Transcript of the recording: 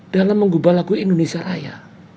dalam menggubah laku indonesia raya